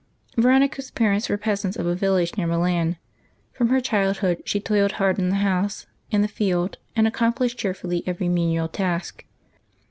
Veronica's parents were peasants of a village near Milan. From her childhood she toiled hard in the house and the field, and accomplished cheerfully every menial task.